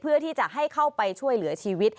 เพื่อที่จะให้เข้าไปช่วยเหลือชีวิต